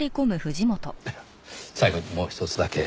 最後にもうひとつだけ。